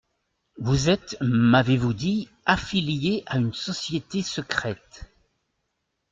Vous êtes, m'avez-vous dit, affilié à une société secrète.